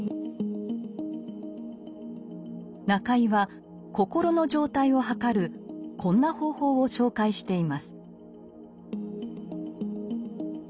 中井は心の状態をはかるこんな方法を紹介しています。